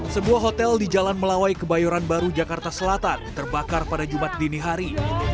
sebuah hotel di jalan melawai kebayoran baru jakarta selatan terbakar pada jumat dini hari